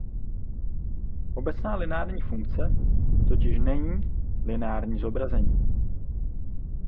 Obecná lineární funkce totiž "není" lineární zobrazení.